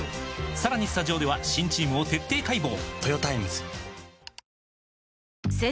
さらにスタジオでは新チームを徹底解剖！